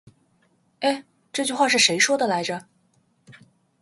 欸，这句话是谁说的来着。